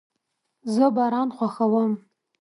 زه باران خوښوم